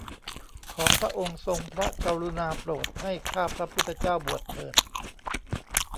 ขอพระองค์ทรงพระกรุณาโปรดให้ข้าพระพุทธเจ้าบวชเถิด